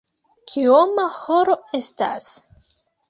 Kioma horo estas?